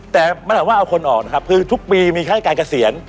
แต่มันถามว่าเอาคนออกนะครับคือทุกปีมีค่าการเกษียณ